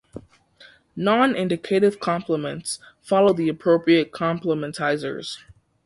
Non-indicative complements follow the appropriate complementizers.